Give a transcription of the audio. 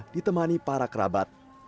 ditemani para kerabat